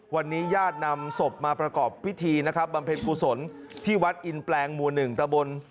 วันนี้ญาตินำศพมาประกอบพิธีนะครับบำเพ็ญกุศลที่วัดอินแปลงหมู่๑ตะบน